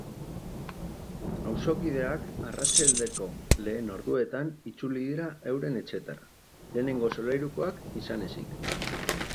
Auzokideak arratsaldeko lehen orduetan itzuli dira euren etxeetara, lehenengo solairukoak izan ezik.